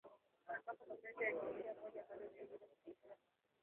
ambako mapenzi ya jinsia moja bado ni kinyume cha sheria na